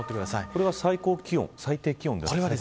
これは最低気温、最高気温ですか。